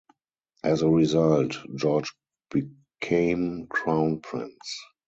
As a result, George became Crown Prince.